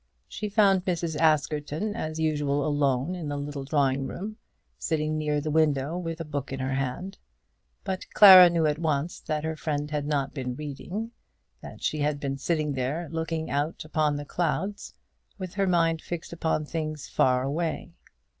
She found Mrs. Askerton as usual alone in the little drawing room, sitting near the window with a book in her hand; but Clara knew at once that her friend had not been reading, that she had been sitting there looking out upon the clouds, with her mind fixed upon things far away.